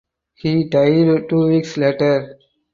He died two weeks later.